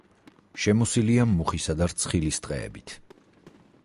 შემოსილია მუხისა და რცხილის ტყეებით.